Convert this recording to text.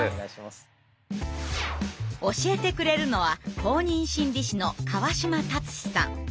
教えてくれるのは公認心理師の川島達史さん。